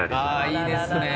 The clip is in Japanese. いいですね。